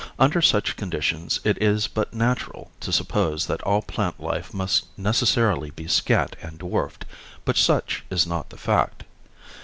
Under such conditions it is but natural to suppose that all plant life must necessarily be scant and dwarfed, but such is not the fact.